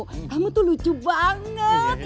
kamu itu lucu banget